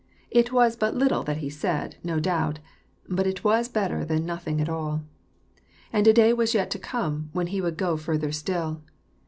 It was but little that be said, no doubt, but it was better than nothing at all. And a day was yet to come, when he would go fhrther still.